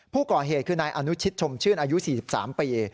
ผู้ก่อเหตุคือนายอนุชิตชมชื่นอายุ๔๓ปี